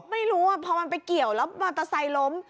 ไม่รู้พอมันไปเกี่ยวแล้วมาตะใสล้ม